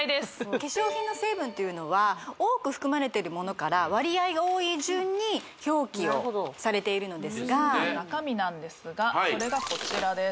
化粧品の成分っていうのは多く含まれてるものから割合が多い順に表記をされているのですが中身なんですがそれがこちらです